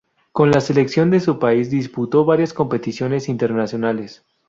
Con la selección de su país disputó varias competiciones internacionales.